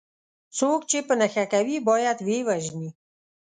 څوک چې په نښه کوي باید وه یې وژني.